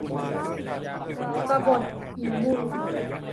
กบฏผีบุญ